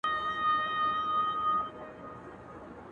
ویرجینیا که په پسرلي کي -